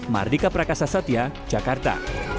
mardika prakasa satya jakarta